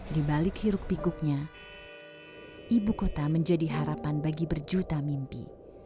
di balik hiruk pikuknya ibu kota menjadi harapan bagi berjuta mimpi